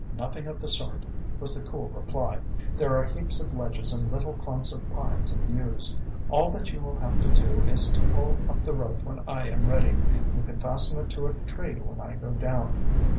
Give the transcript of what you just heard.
"Nothing of the sort," was the cool reply. "There are heaps of ledges and little clumps of pines and yews. All that you will have to do is to pull up the rope when I am ready. You can fasten it to a tree when I go down."